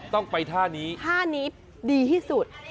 ต้องไปท่านี้ท่านี้ดีที่สุด